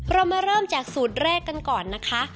เรามาเริ่มจากสูตรแรกกันก่อนนะคะ